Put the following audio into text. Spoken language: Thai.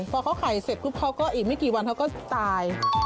พอเขาไข่เสร็จปุ๊บเขาก็อีกไม่กี่วันเขาก็ตาย